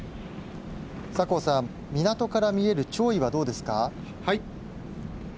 酒勾さん、港から見える潮位はどうですか。